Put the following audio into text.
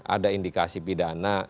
ada indikasi pidana